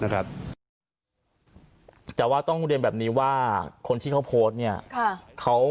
แต่ว่าต้องเรียนแบบนี้ว่าคนที่เขาโพสต์เนี่ย